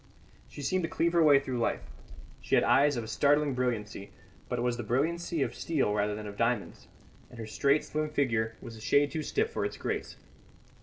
She seemed to cleave her way through life. She had eyes of startling brilliancy, but it was the brilliancy of steel rather than of diamonds; and her straight, slim figure was a shade too stiff for its grace.